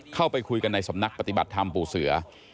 เข้าไปคุยกันในสำนักปฏิบัติธรรมปู่เสือ